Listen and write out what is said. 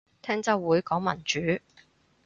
聽週會講民主